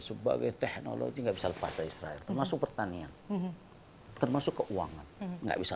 sebagai teknologi nggak bisa lepas ke israel termasuk pertanian termasuk keuangan nggak bisa